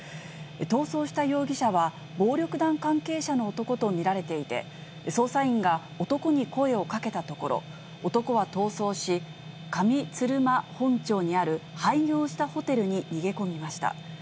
逃走した容疑者は、暴力団関係者の男と見られていて、捜査員が男に声をかけたところ、男は逃走し、上鶴間本町にある廃業したホテルに逃げ込みました。